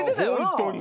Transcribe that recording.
本当に！